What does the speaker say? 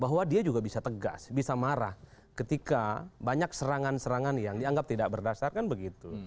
bahwa dia juga bisa tegas bisa marah ketika banyak serangan serangan yang dianggap tidak berdasarkan begitu